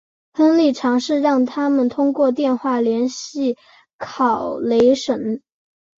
亨利尝试让他们通过电话联系考雷什。